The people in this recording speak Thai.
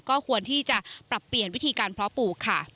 ก็ควรที่จะปรับเปลี่ยนวิธีการเพาะปลูกค่ะ